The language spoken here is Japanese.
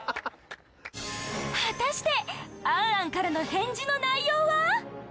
果たして『ａｎａｎ』からの返事の内容は！？